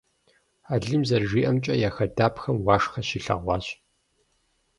Алим зэрыжиӏэмкӏэ, я хадапхэм уашхэ щилъэгъуащ.